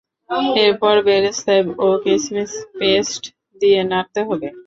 এরপর বেরেস্তা ও কিসমিস পেস্ট দিয়ে নাড়তে হবে।